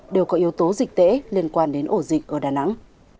đều có yếu tố dịch tễ liên quan đến ổ dịch ở đà nẵng